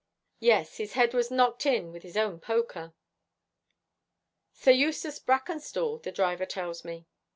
'Yes, his head was knocked in with his own poker.' 'Sir Eustace Brackenstall, the driver tells me.'